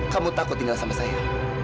kamu takut tinggal sama saya